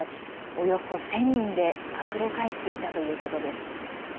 およそ１０００人であふれ返っていたということです。